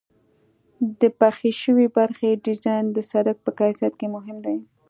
د پخې شوې برخې ډیزاین د سرک په کیفیت کې مهم دی